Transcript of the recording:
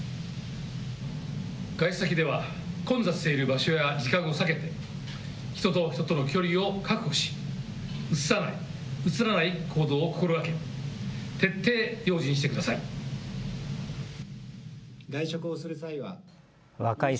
外出先では混雑している場所や時間を避けて人と人との距離を確保しうつさない、うつらない行動を心がけ、徹底用心してください。